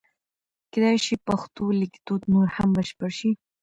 کېدای شي پښتو لیکدود نور هم بشپړ شي.